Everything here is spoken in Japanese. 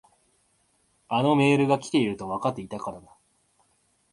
あのメールが来ているとわかっていたからだ。